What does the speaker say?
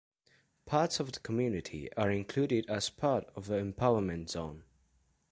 Parts of the community are included as part of the empowerment zone.